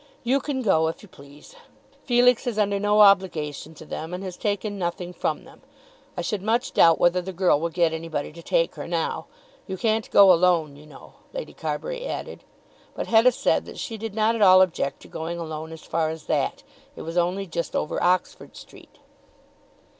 You can go, if you please. Felix is under no obligation to them, and has taken nothing from them. I should much doubt whether the girl will get anybody to take her now. You can't go alone, you know," Lady Carbury added. But Hetta said that she did not at all object to going alone as far as that. It was only just over Oxford Street.